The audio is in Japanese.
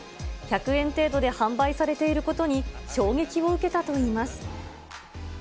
１００円程度で販売されていることに、衝撃を受けたといいます。